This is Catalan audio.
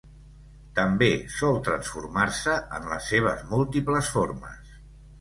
També sol transformar-se en les seves múltiples formes.